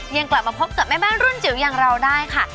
ยังกลับมาพบกับแม่บ้านรุ่นจิ๋วอย่างเราได้ค่ะ